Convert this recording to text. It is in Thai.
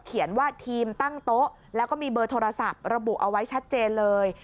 เขียนว่าทีมตั้งโต๊ะแล้วก็มีเบอร์โทรศัพท์ระบุเอาไว้ชัดเจนเลย